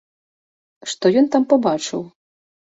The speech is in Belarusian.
Што ён там пабачыў?